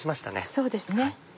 そうですね。